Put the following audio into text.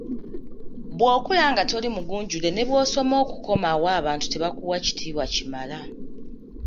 Bw’okula nga toli mugunjule ne bw’osoma okukoma wa abantu tebakuwa kiyitibwa kimala.